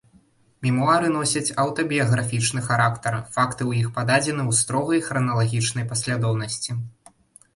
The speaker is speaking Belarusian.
Мемуары носяць аўтабіяграфічны характар, факты ў іх пададзены ў строгай храналагічнай паслядоўнасці.